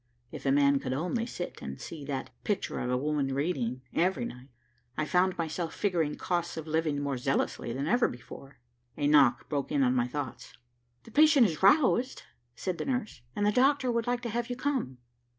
If a man could only sit and see that "Picture of a woman reading" every night! I found myself figuring costs of living more zealously than ever before. A knock broke in on my thoughts. "The patient has roused," said the nurse, "and the doctor would like to have you come."